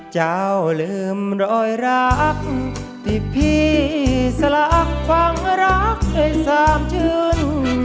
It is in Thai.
จ้าวลืมร้อยรักที่พี่สละความรักไอ้สามชื่น